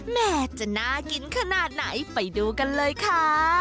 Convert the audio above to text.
แม่จะน่ากินขนาดไหนไปดูกันเลยค่ะ